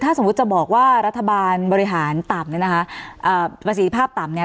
ถ้าสมมุติจะบอกว่ารัฐบาลบริหารต่ำประสิทธิภาพต่ำ